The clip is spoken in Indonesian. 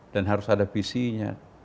dan harus ada visinya